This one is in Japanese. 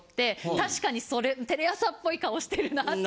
確かにテレ朝っぽい顔してるなって。